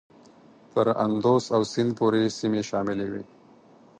تر اندوس او سیند پورې سیمې شاملي وې.